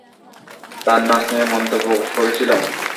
তার নাচ নিয়ে মন্তব্য করেছিলাম।